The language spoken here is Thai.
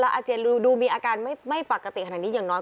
อาเจียนดูมีอาการไม่ปกติขนาดนี้อย่างน้อย